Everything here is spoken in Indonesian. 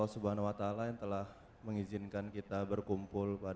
tepuk tangan untuk boruregar